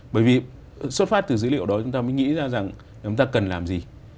bởi vì xuất phát từ dữ liệu đó chúng ta mới nghĩ ra rằng chúng ta cần làm gì